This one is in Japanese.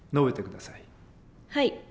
はい。